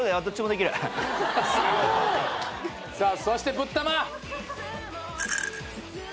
そしてぶったま。